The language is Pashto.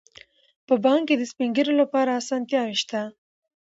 په بانک کې د سپین ږیرو لپاره اسانتیاوې شته.